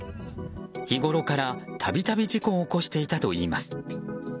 日ごろから度々事故を起こしていたといいます。